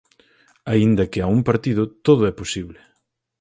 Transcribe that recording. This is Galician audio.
Aínda que a un partido todo é posible.